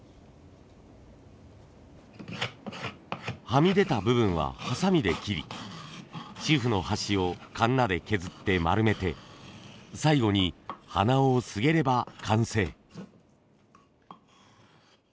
はみ出た部分はハサミで切り紙布の端をカンナで削って丸めて最後に鼻緒をすげれば完成。